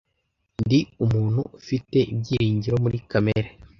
Ndi umuntu ufite ibyiringiro muri kamere.